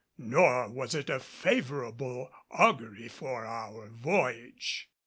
Nor was it a favorable augury for our voyage.